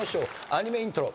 アニメイントロ。